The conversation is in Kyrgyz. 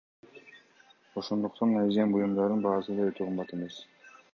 Ошондуктан азем буюмдардын баасы да өтө кымбат эмес.